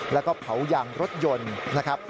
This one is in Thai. แล้วก็เผายางรถยนต์นะครับ